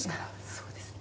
そうですね。